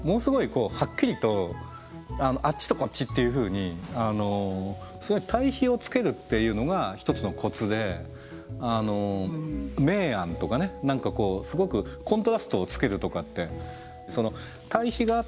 こうはっきりとあっちとこっちっていうふうに対比をつけるっていうのが一つのコツで明暗とかねすごくコントラストをつけるとかってその対比があってなおかつ